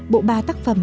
bộ ba tác phẩm